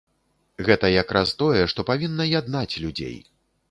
Гэта як раз тое, што павінна яднаць людзей.